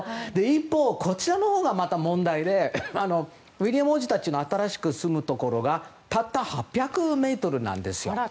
一方、こちらのほうが問題でウィリアム王子たちが新しく住むところがたった８００ｍなんです。